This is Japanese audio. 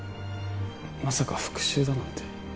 まさか復讐だなんて